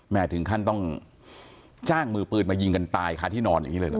ถึงขั้นต้องจ้างมือปืนมายิงกันตายค่ะที่นอนอย่างนี้เลยเหรอ